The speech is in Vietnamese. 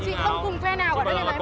chị không cùng phe nào cả